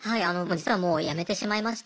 実はもう辞めてしまいまして。